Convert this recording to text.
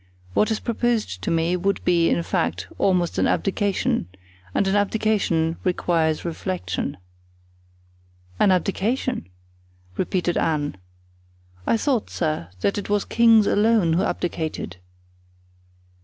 What is proposed to me would be, in fact, almost an abdication, and an abdication requires reflection." "An abdication?" repeated Anne; "I thought, sir, that it was kings alone who abdicated!"